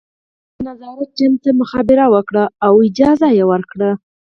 هغه د نظارت ټیم ته مخابره وکړه او اجازه یې ورکړه